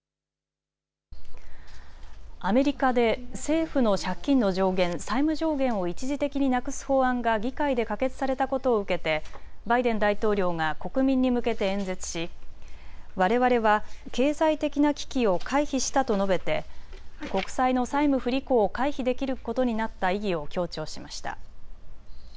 アメリカで政府の借金の上限、債務上限を一時的になくす法案が議会で可決されたことを受けてバイデン大統領が国民に向けて演説しわれわれは経済的な危機を回避したと述べて国債の債務不履行を回避できることになった意義を強調しました。